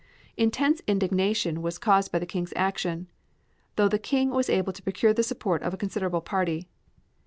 Intense indignation was caused by the King's action, though the King was able to procure the support of a considerable party.